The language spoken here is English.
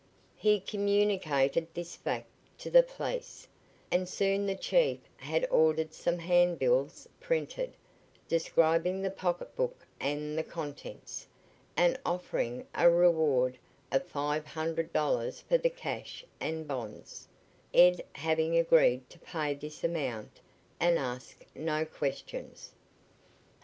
He communicated this fact to the police, and soon the chief had ordered some handbills printed, describing the pocketbook and the contents, and offering a reward of five hundred dollars for the cash and bonds, Ed having agreed to pay this amount and ask no questions.